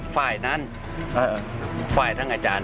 ภารกิจสรรค์ภารกิจสรรค์